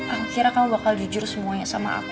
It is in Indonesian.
aku kira kamu bakal jujur semuanya sama aku